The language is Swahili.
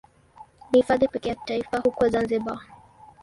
Ni Hifadhi pekee ya kitaifa huko Zanzibar.